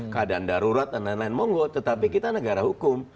keadaan darurat dan lain lain monggo tetapi kita negara hukum